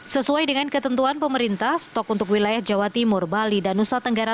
sesuai dengan ketentuan pemerintah stok untuk wilayah jawa timur bali dan nusa tenggara